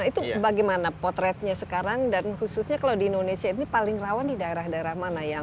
itu bagaimana potretnya sekarang dan khususnya kalau di indonesia ini paling rawan di daerah daerah mana yang